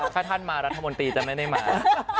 ถ้าท่านมารัฐมนตรีจะไม่ได้มา